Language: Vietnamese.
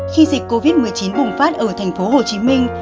khi dịch covid một mươi chín bùng phát ở thành phố hồ chí minh